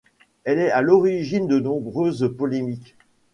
Elle est à l'origine de nombreuses polémiques.